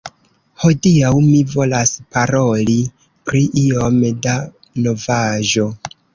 Hodiaŭ mi volas paroli pri iom da novaĵo